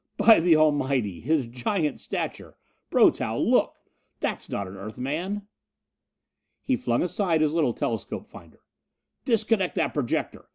By the Almighty his giant stature Brotow, look! That's not an Earthman!" He flung aside his little telescope finder. "Disconnect that projector!